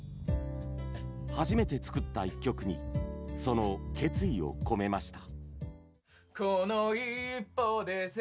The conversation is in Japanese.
初めて作った一曲にその決意を込めました。